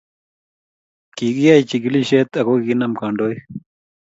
kikiyai chikilishet ako kikinam kandoik